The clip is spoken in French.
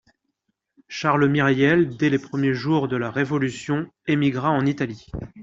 Charles Myriel, dès les premiers jours de la révolution, émigra en Italie